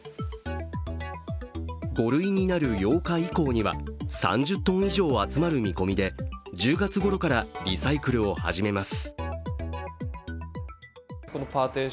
５類になる８日以降には３０ｔ以上集まる見込みで１０月ごろからリサイクルを始めます。